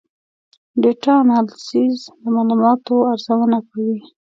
ډیټا انالیسز د معلوماتو ارزونه کوي.